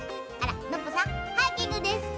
ノッポさんハイキングですか？